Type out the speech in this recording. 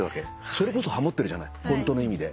それこそハモってるじゃないホントの意味で。